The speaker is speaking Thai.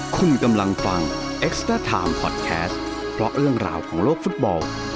คุณกำลังฟังเอ็กซ์เตอร์ไทม์พอดแคสต์เพราะเรื่องราวของโลกฟุตบอล